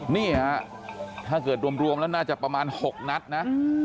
นี่ฮะถ้าเกิดรวมแล้วน่าจะประมาณ๖นัดนะ